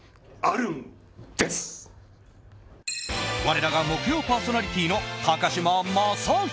我らが木曜パーソナリティーの高嶋政宏。